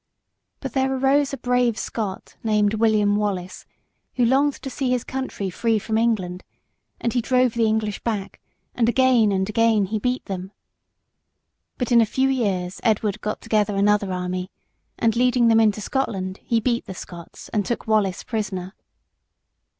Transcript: But there arose a brave Scot named William Wallace, who longed to see his country free from England, and he drove the English back, and again and again he beat them. But in a few years Edward got together another army, and leading them into Scotland he beat the Scots and took Wallace prisoner.